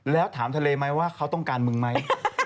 แล้วถามทะเลไหมว่าเขาต้องการมึงไหม